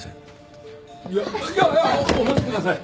いやいやいやお待ちください！